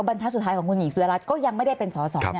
บรรทัศน์สุดท้ายของคุณหญิงสุดารัฐก็ยังไม่ได้เป็นสอสอ